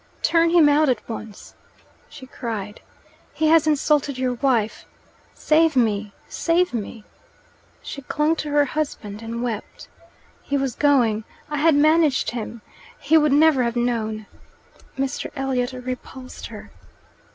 "Turn him out at once!" she cried. "He has insulted your wife. Save me, save me!" She clung to her husband and wept. "He was going I had managed him he would never have known " Mr. Elliot repulsed her.